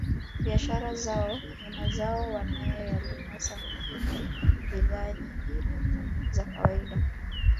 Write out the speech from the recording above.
Biashara zao ni mazao wanayoyalima samaki na bidhaa nyingine za kawaida